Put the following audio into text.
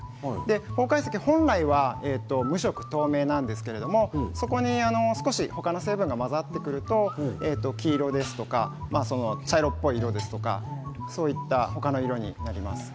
方解石、本来は無色透明なんですけれどそこに少し他の成分が混ざってくると黄色ですとか茶色っぽい色ですとかそういった他の色になります。